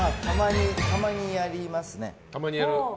たまにやりますね。